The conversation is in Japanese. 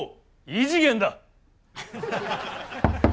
異次元だ。